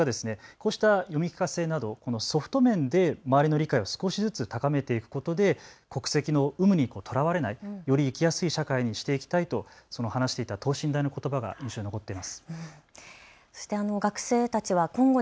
いろんな捉え方あると思うんですけれども取材した学生がこうした読み聞かせなどのソフト面で周りの理解を少しずつ深めていくことで国籍の有無にとらわれないより生きやすい社会にしていきたいと話していた等身大のことばが印象に残ってます。